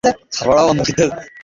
চিৎকারের এমন আওয়াজ কখনও শুনিনি আমি।